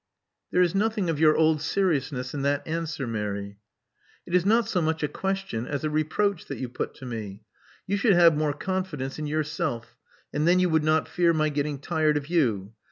"There is nothing of your old seriousness in that answer, Mary." "It is not so much a question as a reproach that you put to me. You should have more confidence in yourself; and then you would not fear my getting tired of you.